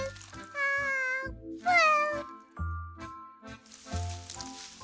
あーぷん？